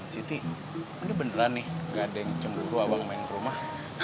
siti ini beneran nih gak ada yang cemburu abang main ke rumah